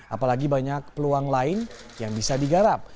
apalagi banyak peluang lain yang bisa digarap